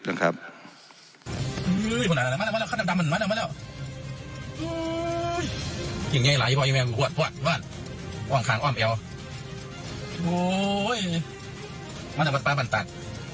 อ้อมข้างอ้อมแอวโอ้ยมันจะปัดปลาปันตัด